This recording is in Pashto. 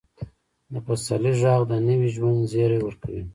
د پسرلي ږغ د نوي ژوند زیری ورکوي.